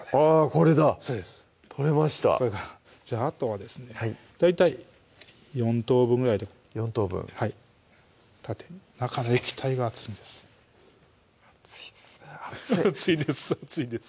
これだ取れましたじゃああとはですね大体４等分ぐらいで４等分はい縦に中の液体が熱いんです熱いですね熱い熱いです熱いです